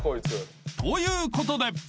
［ということで］